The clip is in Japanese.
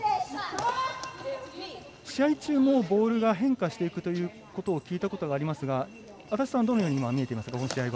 試合中もボールが変化していくと聞いたことがありますが安達さん、どんなふうに見ていますか？